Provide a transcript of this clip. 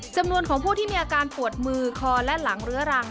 จำนวนของผู้ที่มีอาการปวดมือคอและหลังเรื้อรัง